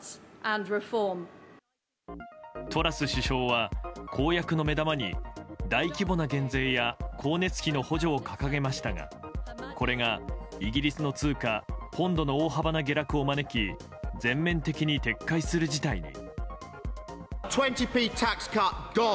トラス首相は、公約の目玉に大規模な減税や光熱費の補助を掲げましたがこれがイギリスの通貨ポンドの大幅な下落を招き全面的に撤回する事態に。